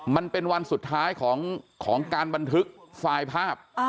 มันเป็นวันสุดท้ายของการบันทึกไฟล์ภาพ